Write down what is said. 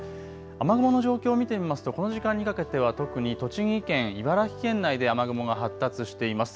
雨雲の状況を見てみますとこの時間にかけては特に栃木県、茨城県内で雨雲が発達しています。